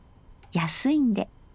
安いんで。